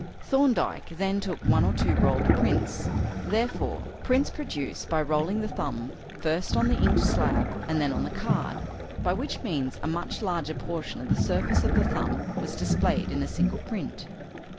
Thorndyke then took one or two rolled prints, i.e. prints produced by rolling the thumb first on the inked slab and then on the card, by which means a much larger portion of the surface of the thumb was displayed in a single print.